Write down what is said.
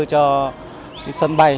cho sân bay